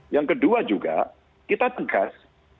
yang kedua juga kita tegas